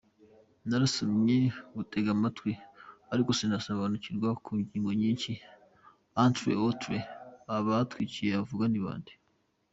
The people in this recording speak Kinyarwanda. Narasomye ngutega amatwi aliko sinasobanukirwa ku ngingo nyinshi, entre autres abatwiciye uvuga ni bande.